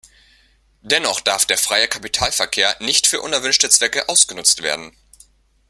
Dennoch darf der freie Kapitalverkehr nicht für unerwünschte Zwecke ausgenutzt werden.